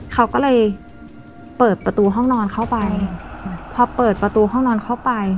เขาก็เลยเปิดประตูห้องนอนเข้าไปพอเปิดประตูห้องนอนเข้าไป